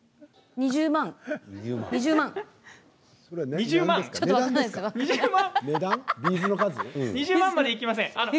２０万までいきません。